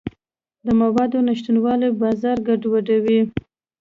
د موادو نشتوالی بازار ګډوډوي.